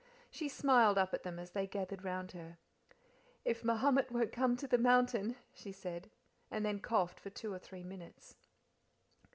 She smiled up at them as they gathered round her. "If Mahomet won't come to the mountain," she said, and then coughed for two or three minutes.